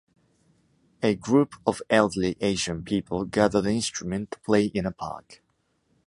A group of elderly Asian people gathered instrument to play in a park.